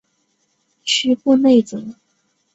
屈布内泽。